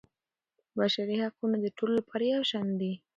بشري حقونه د ټولو لپاره یو شان دي.